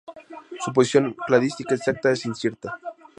Su posición cladística exacta es incierta.